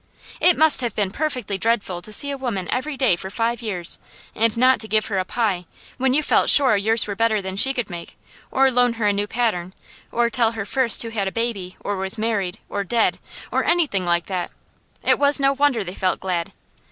It must have been perfectly dreadful to see a woman every day for five years, and not to give her a pie, when you felt sure yours were better than she could make, or loan her a new pattern, or tell her first who had a baby, or was married, or dead, or anything like that. It was no wonder they felt glad.